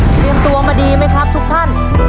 เตรียมตัวมาดีไหมครับทุกท่าน